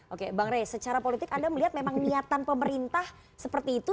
oke bang rey secara politik anda melihat memang niatan pemerintah seperti itu